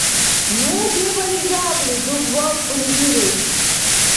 Ну дебали жявли дубвалтули вирус.